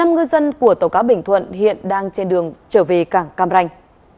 năm ngư dân của tàu cá bình thuận hiện đang trên đường trở về cảng cam ranh